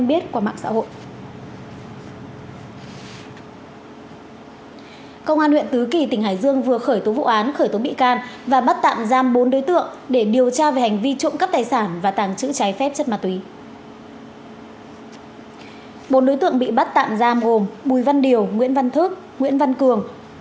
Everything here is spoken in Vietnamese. bốn đối tượng bị bắt tạm giam gồm bùi văn điều nguyễn văn thước nguyễn văn cường